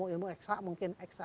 ilmu eksak mungkin